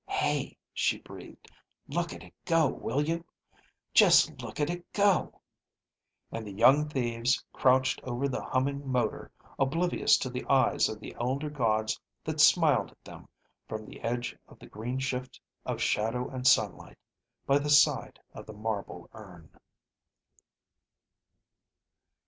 "Hey," she breathed, "look at it go, will you! Just look at it go." And the young thieves crouched over the humming motor, oblivious to the eyes of the elder gods that smiled at them from the edge of the green shift of shadow and sunlight, by the side of the marble urn.